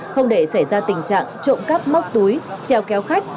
không để xảy ra tình trạng trộm cắp móc túi treo kéo khách